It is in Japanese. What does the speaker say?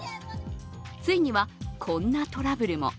ついにはこんなトラブルも。